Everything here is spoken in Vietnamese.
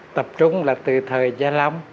tập trung là từ thời giá lắm